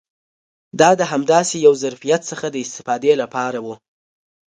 دا د همداسې یو ظرفیت څخه د استفادې لپاره و.